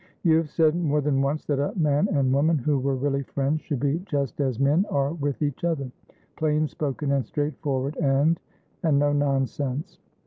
"You have said more than once that a man and woman who were really friends should be just as men are with each otherplain spoken and straightforward andand no nonsense."